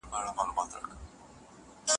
چې باور کوي